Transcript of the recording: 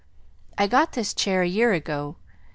I got this chair a year ago.